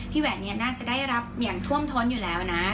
แหวนเนี่ยน่าจะได้รับอย่างท่วมท้นอยู่แล้วนะ